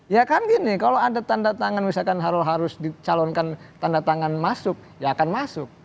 ya kan gini kalau ada tanda tangan misalkan harul harus dicalonkan tanda tangan masuk ya akan masuk